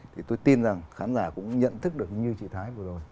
thì tôi tin rằng khán giả cũng nhận thức được như chị thái vừa rồi